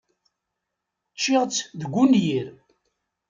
Ččiɣ-tt deg unyir.